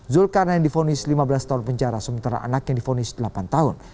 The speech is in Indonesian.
zulkarnain difonis lima belas tahun penjara sementara anaknya difonis delapan tahun